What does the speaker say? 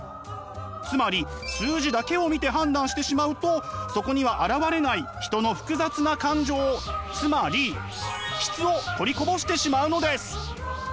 つまり数字だけを見て判断してしまうとそこには表れない人の複雑な感情つまり「質」を取りこぼしてしまうのです。